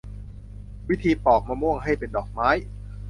วิธีปอกมะม่วงให้เป็นดอกไม้